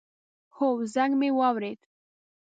هو، زنګ می واورېد